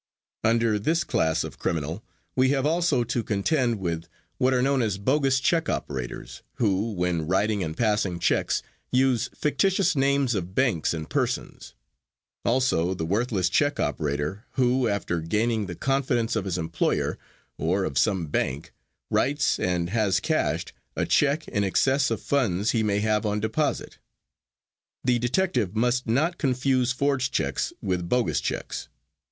Under this class of criminal we have also to contend with what are known as bogus check operators, who, when writing and passing checks, use fictitious names of banks and persons; also the worthless check operator, who, after gaining the confidence of his employer, or of some bank, writes and has cashed a check in excess of funds he may have on deposit. The detective must not confuse forged checks with bogus checks.